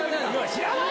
知らない？